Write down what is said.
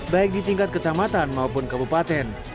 baik di tingkat kecamatan maupun kabupaten